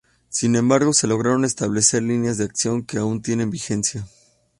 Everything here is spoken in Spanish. Sin embargo, se lograron establecer líneas de acción que aún tienen vigencia.